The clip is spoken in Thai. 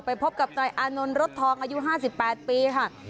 ไปพบกับใจอานนท์รถทองอายุ๕๘ปี